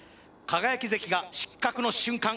輝関が失格の瞬間